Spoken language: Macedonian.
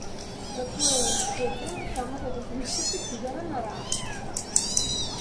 Затворање во вц само за да се испуши цигара на раат.